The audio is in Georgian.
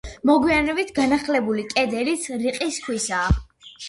მოგვიანებით განახლებული კედელიც რიყის ქვისაა.